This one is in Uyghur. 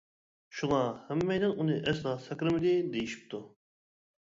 شۇڭا ھەممەيلەن ئۇنى ئەسلا سەكرىمىدى دېيىشىپتۇ.